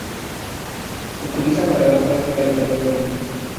Se utilizan para la práctica del vuelo libre.